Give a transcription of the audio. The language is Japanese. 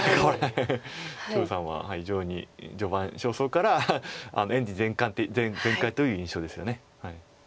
張栩さんは非常に序盤早々からエンジン全開という印象ですよね。